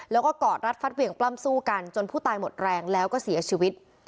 แล้วก็กอดรัดฟัดเหวี่ยงปล้ำสู้กันจนผู้ตายหมดแรงแล้วก็เสียชีวิต